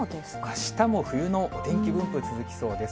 あしたも冬のお天気分布続きそうです。